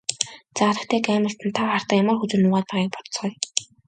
За хатагтай Гамильтон та гартаа ямар хөзөр нуугаад байгааг бодоцгооё.